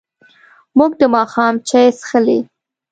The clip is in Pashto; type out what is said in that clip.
موږ د ماښام چای څښلی.